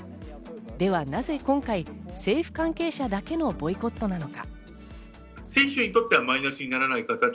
ではなぜ今回、政府関係者だけのボイコットなのか。